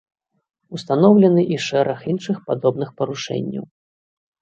Устаноўлены і шэраг іншых падобных парушэнняў.